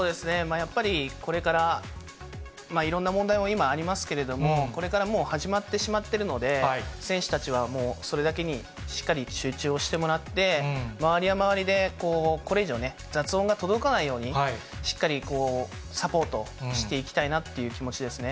やっぱりこれからいろんな問題も今ありますけれども、これからもう始まってしまってるので、選手たちはもうそれだけにしっかり集中をしてもらって、周りは周りでこれ以上ね、雑音が届かないように、しっかりサポートしていきたいなという気持ちですね。